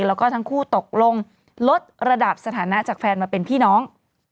แล้วก็ทั้งคู่ตกลงลดระดับสถานะจากแฟนมาเป็นพี่น้อง